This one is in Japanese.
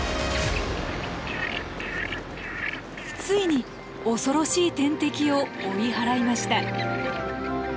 ついに恐ろしい天敵を追い払いました。